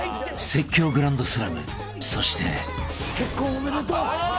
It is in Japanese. ［説教グランドスラムそして］結婚おめでとう。